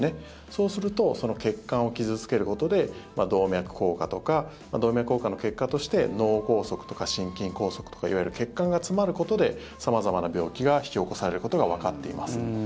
そうすると血管を傷付けることで動脈硬化とか動脈硬化の結果として脳梗塞とか心筋梗塞とかいわゆる血管が詰まることで様々な病気が引き起こされることがわかっています。